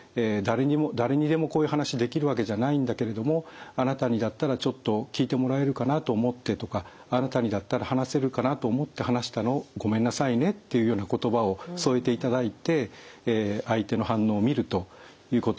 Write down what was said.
「誰にでもこういう話できるわけじゃないんだけれどもあなたにだったらちょっと聞いてもらえるかなと思って」とか「あなたにだったら話せるかなと思って話したのごめんなさいね」というような言葉を添えていただいて相手の反応を見るということをですね。